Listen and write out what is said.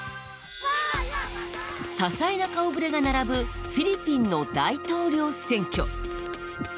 多彩な顔ぶれが並ぶフィリピンの大統領選挙。